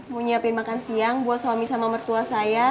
nyiapin makan siang buat suami sama mertua saya